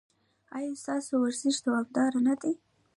ایا ستاسو ورزش دوامدار نه دی؟